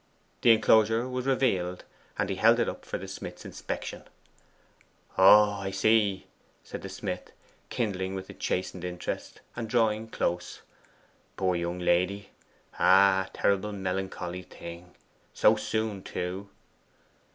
The enclosure was revealed, and he held it up for the smith's inspection. 'Oh I see!' said the smith, kindling with a chastened interest, and drawing close. 'Poor young lady ah, terrible melancholy thing so soon too!